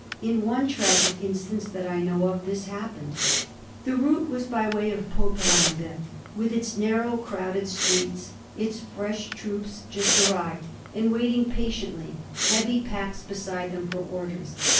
In one tragic instance that I know of this happened. The route was by way of Poperinghe, with its narrow, crowded streets, its fresh troops just arrived and waiting patiently, heavy packs beside them, for orders.